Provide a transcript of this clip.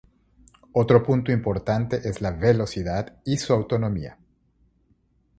Otro punto importante es la velocidad y su autonomía.